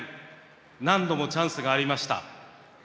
何度もチャンスがありました。